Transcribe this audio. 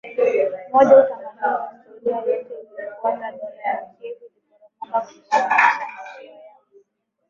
moja utamaduni na historia yote iliyofuataDola la Kiev liliporomoka kutokana na mashambulio ya